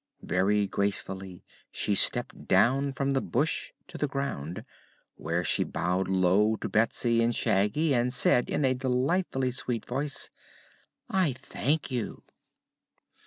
Very gracefully she stepped down from the bush to the ground, where she bowed low to Betsy and Shaggy and said in a delightfully sweet voice: "I thank you."